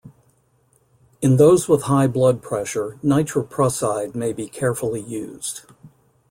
In those with high blood pressure nitroprusside may be carefully used.